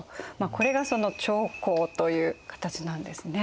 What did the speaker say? これがその朝貢という形なんですね。